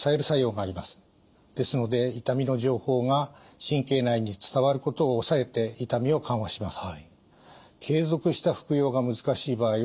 ですので痛みの情報が神経内に伝わることを抑えて痛みを緩和します。